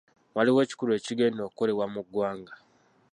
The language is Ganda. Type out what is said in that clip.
Waliwo ekikulu ekigenda okukolebwa mu ggwanga.